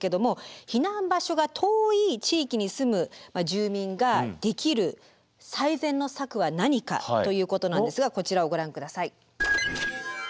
避難場所が遠い地域に住む住民ができる最善の策は何かということなんですがこちらをご覧下さい。